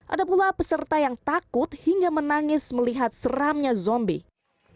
ada pula peserta yang takut hingga menangis melihat seramnya zombie